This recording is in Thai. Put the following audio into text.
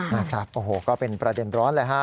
นะครับโอ้โหก็เป็นประเด็นร้อนเลยฮะ